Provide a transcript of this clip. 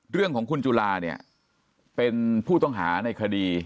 เรื่องของคุณจุลาเนี่ยเป็นผู้ต้องหาในคดี